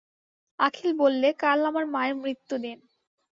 অখিল বললে, কাল আমার মায়ের মৃত্যুদিন।